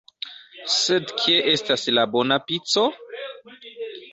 Sed kie estas la bona pico?